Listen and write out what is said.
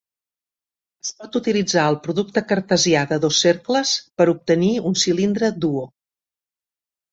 Es pot utilitzar el producte cartesià de dos cercles per obtenir un cilindre duo.